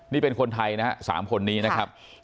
นี่เป็นคนไทยนะครับ๓คนนี้นะครับ